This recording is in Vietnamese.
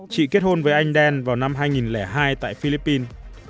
chị kết hôn với anh đen vào năm hai nghìn hai tại philippines